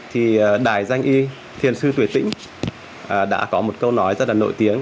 thì đài danh y thiền sư tuyệt tĩnh đã có một câu nói rất là nổi tiếng